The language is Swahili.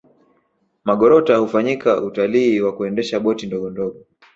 magorota hufanyika Utalii wa kuendesha boti ndogondogo